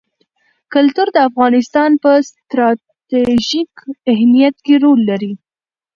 کلتور د افغانستان په ستراتیژیک اهمیت کې رول لري.